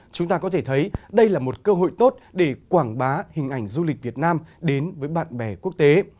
chúng ta có thể thấy đây là một cơ hội tốt để quảng bá hình ảnh du lịch việt nam đến với bạn bè quốc tế